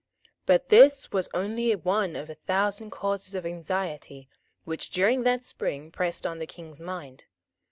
But this was only one of a thousand causes of anxiety which during that spring pressed on the King's mind.